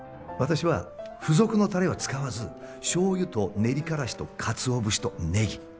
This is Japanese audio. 私は付属のたれは使わずしょうゆと練りからしとかつお節とネギ。